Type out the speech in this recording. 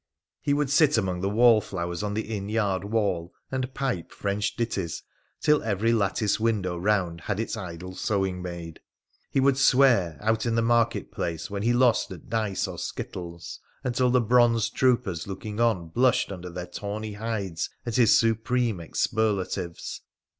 He would sit among the wallflowers on the inn yard wall and pipe French ditties till every lattice window round had its idle sewing maid. He would swear, out in the market place, when he lost at dice or skittles, until the bronzed troopers looking on blushed under their tawny hides at his supreme expurlatives.